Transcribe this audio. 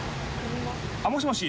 もしもし？